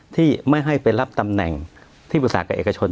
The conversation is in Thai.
ที่ไม่ให้ไปรับตำแหน่งที่ปรึกษากับเอกชน